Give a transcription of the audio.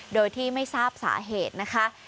โดยที่ไม่ทราบสาเหตุนะคะ